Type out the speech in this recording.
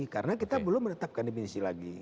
karena kita belum menetapkan definisi lagi